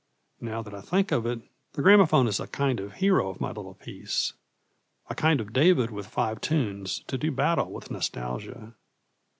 Now that I think of it, the gramophone is a kind of hero of my little piece a kind of David with five tunes to do battle with nostalgia.